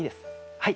はい。